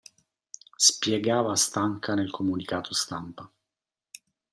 Spiegava Stanca nel comunicato stampa.